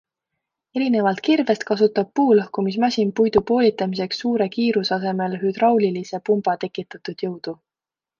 Erinevalt kirvest kasutab puulõhkumismasin puidu poolitamiseks suure kiiruse asemel hüdraulilise pumba tekitatud jõudu.